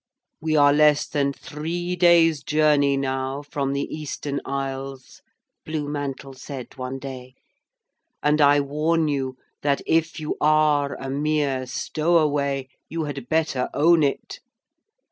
'We are less than three days' journey now from the Eastern Isles,' Blue Mantle said one day, 'and I warn you that if you are a mere stowaway you had better own it.